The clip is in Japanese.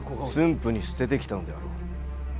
府に捨ててきたのであろう。